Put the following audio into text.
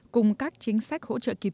cùng các chính sách hỗ trợ kỳ tự